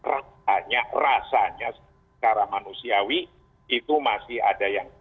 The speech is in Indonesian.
rasanya rasanya secara manusiawi itu masih ada yang